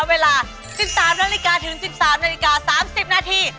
เวลา๑๓นาฬิกาถึง๑๓นาฬิกา๓๐นาที